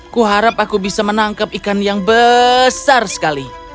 kuharap aku bisa menangkap ikan yang besar sekali